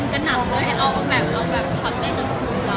ช่องความหล่อของพี่ต้องการอันนี้นะครับ